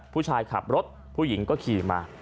ผู้ชายขับรถผู้หญิงก็ขี่มา